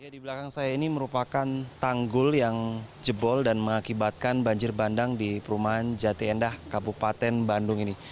di belakang saya ini merupakan tanggul yang jebol dan mengakibatkan banjir bandang di perumahan jati endah kabupaten bandung ini